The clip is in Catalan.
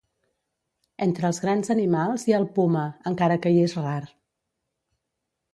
Entre els grans animals hi ha el puma encara que hi és rar.